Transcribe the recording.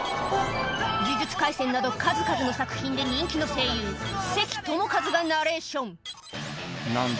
『呪術廻戦』など数々の作品で人気の声優関智一がナレーション何だ？